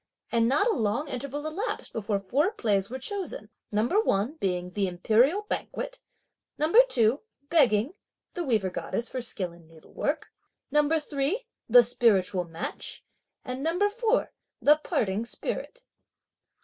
And not a long interval elapsed before four plays were chosen; No. 1 being the Imperial Banquet; No. 2 Begging (the weaver goddess) for skill in needlework; No. 3 The spiritual match; and No. 4 the Parting spirit.